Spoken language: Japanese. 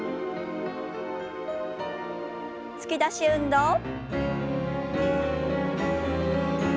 突き出し運動。